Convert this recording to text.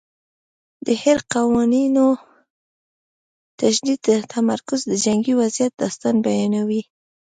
د هیر قوانینو شدید تمرکز د جنګي وضعیت داستان بیانوي.